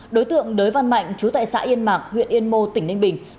đối tượng đới văn mạnh chú tại xã yên mạc huyện yên mô tỉnh ninh bình